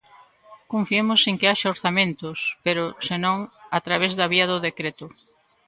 Confiemos en que haxa orzamentos, pero, se non, a través da vía do decreto.